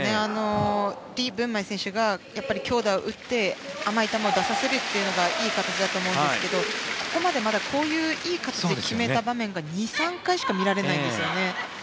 リ・ブンマイ選手が強打を打って甘い球を出させるというのがいい形だと思うんですがここまでまだこういういい形で決めたのが２３回しか見られないんですよね。